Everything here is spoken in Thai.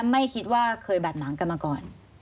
ไม่คิดว่าเคยบาดหมางกันมาก่อน